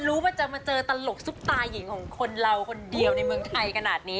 รู้ว่าจะมาเจอตลกซุปตาหญิงของคนเราคนเดียวในเมืองไทยขนาดนี้